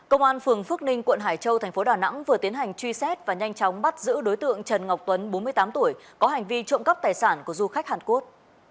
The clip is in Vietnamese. công an phường phước ninh quận hải châu thành phố đà nẵng vừa tiến hành truy xét và nhanh chóng bắt giữ đối tượng trần ngọc tuấn bốn mươi tám tuổi có hành vi trộm cắp tài sản của du khách hàn quốc